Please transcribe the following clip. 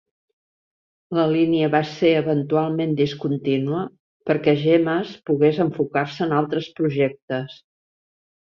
La línia va ser eventualment discontinua, perquè Jemas pogués enfocar-se en altres projectes